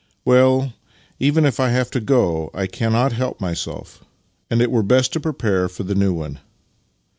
" Well, even if I have to go, I cannot help myself, and it were best to prepare for the new one."